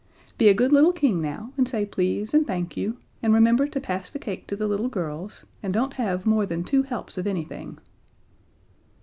"Be a good little King now, and say 'please' and 'thank you,' and remember to pass the cake to the little girls, and don't have more than two helps of anything."